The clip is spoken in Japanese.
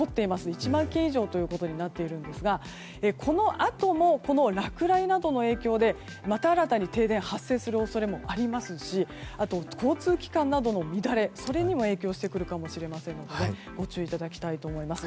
１万軒以上ということになっているんですがこのあとも落雷などの影響でまた新たに停電が発生する恐れもありますしあと、交通機関などの乱れそれにも影響してくるかもしれませんのでご注意いただきたいと思います。